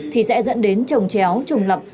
thì sẽ dẫn đến trồng chéo trùng lập